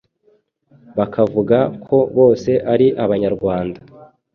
bakavuga ko bose ari abanyarwanda,